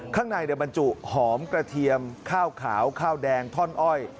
ข้างในบรรจุหอมกระเทียมข้าวขาวข้าวแดงท่อนอ้อย